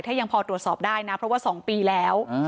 ถ้ายังพอตรวจสอบได้นะเพราะว่า๒ปีแล้ว